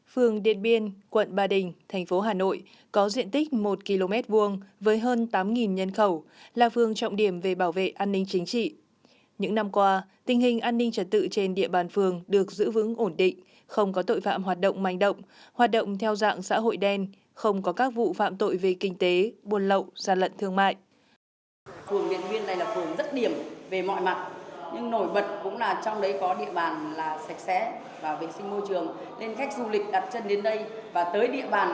phường điện biên này là phường rất điểm về mọi mặt nhưng nổi bật cũng là trong đấy có địa bàn sạch sẽ và vệ sinh môi trường nên khách du lịch đặt chân đến đây và tới địa bàn của phường điện biên là rất là thoải mái